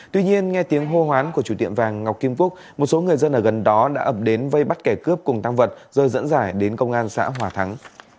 tuy nhiên nghe tiếng hô hoán của chủ tiệm vàng ngọc kim phúc một số người dân ở gần đó đã ập đến vây bắt kẻ cướp cùng tăng vật rồi dẫn dải đến công an xã hòa thắng